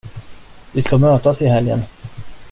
Vi ska mötas i helgen.